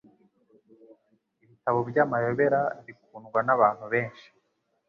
Ibitabo byamayobera bikundwa nabantu benshi